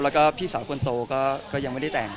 แล้วก็พี่สาวคนโตก็ยังไม่ได้แต่ง